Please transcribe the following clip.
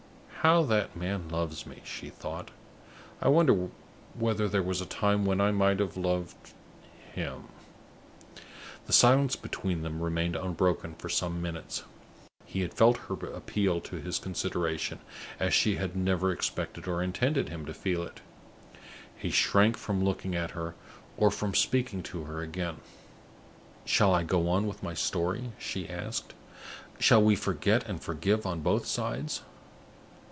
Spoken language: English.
"How that man loves me!" she thought. "I wonder whether there was a time when I might have loved him?" The silence between them remained unbroken for some minutes. He had felt her appeal to his consideration as she had never expected or intended him to feel it he shrank from looking at her or from speaking to her again. "Shall I go on with my story?" she asked. "Shall we forget and forgive on both sides?"